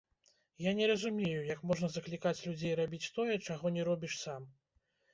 Я не разумею, як можна заклікаць людзей рабіць тое, чаго не робіш сам.